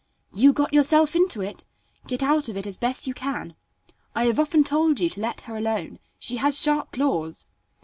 "You got yourself into it; get out of it as best you can. I have often told you to let her alone; she has sharp claws."